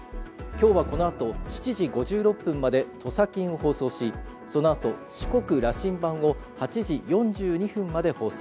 今日はこのあと７時５６分まで「とさ金」を放送しそのあと「四国らしんばん」を８時４２分まで放送